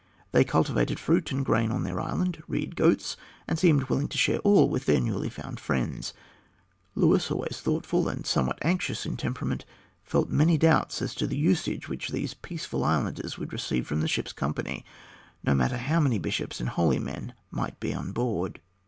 They cultivated fruit and grain on their island, reared goats, and seemed willing to share all with their newly found friends. Luis, always thoughtful, and somewhat anxious in temperament, felt many doubts as to the usage which these peaceful islanders would receive from the ships' company, no matter how many bishops and holy men might be on board.